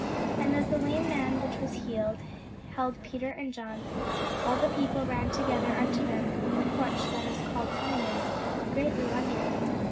And as the lame man which was healed held Peter and John, all the people ran together unto them in the porch that is called Solomon's, greatly wondering.